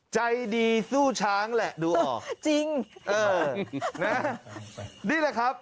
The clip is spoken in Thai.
ใจดีสู้ช้างแหละดูออกจริงเออนะนี่แหละครับ